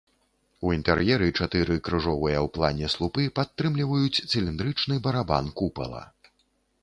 У інтэр'еры чатыры крыжовыя ў плане слупы падтрымліваюць цыліндрычны барабан купала.